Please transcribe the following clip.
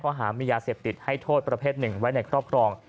หามียาเสพติดให้โทษประเภทหนึ่งไว้ในครอบครอง